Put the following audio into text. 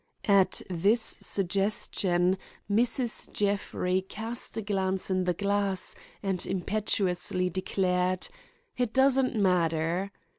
At this suggestion, Mrs. Jeffrey cast a glance in the glass and impetuously declared, "It doesn't matter."